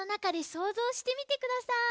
そうぞうしてください。